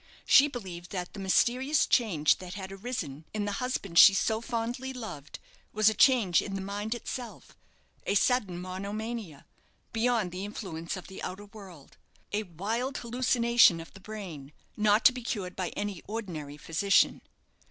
She believed that the mysterious change that had arisen in the husband she so fondly loved was a change in the mind itself a sudden monomania, beyond the influence of the outer world a wild hallucination of the brain, not to be cured by any ordinary physician.